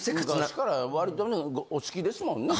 昔からわりとねお好きですもんね